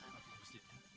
terima kasih pak haji